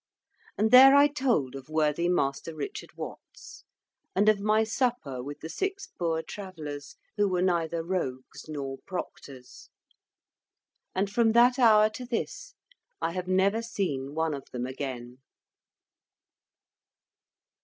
And there I told of worthy Master Richard Watts, and of my supper with the Six Poor Travellers who were neither Rogues nor Proctors, and from that hour to this I have never seen one of them again.